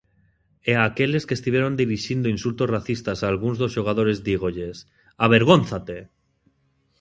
E a aqueles que estiveron dirixindo insultos racistas a algúns dos xogadores dígolles: avergónzate!